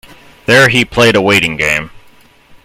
There he played a waiting game.